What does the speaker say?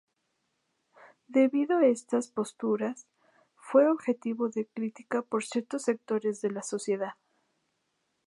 Debido a estas posturas, fue objeto de crítica por ciertos sectores de la sociedad.